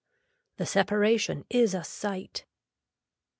The separation is a sight.